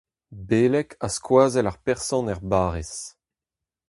Beleg a skoazell ar person er barrez.